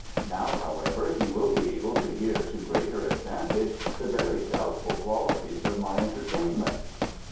Now, however, he will be able to hear to greater advantage the very doubtful qualities of my entertainment."